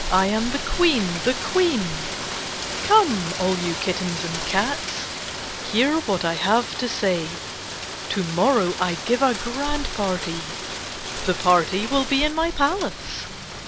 I am the Queen ! the Queen ! Come, all you kittens and cats. Hear what I have to say. To morrow I give a grand party. The party will be in my palace.